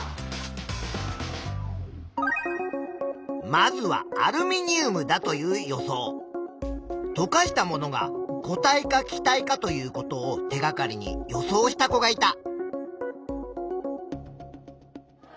まずはアルミニウムだという予想。とかしたものが固体か気体かということを手がかりに予想した子がいた。